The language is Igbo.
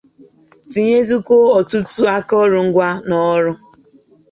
tinyesikwuo ọtụtụ akụrụngwa n'ọrụ